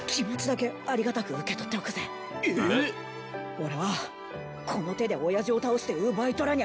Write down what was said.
俺はこの手で親父を倒して奪い取らにゃ